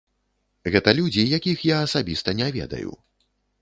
Гэта людзі, якіх я асабіста не ведаю.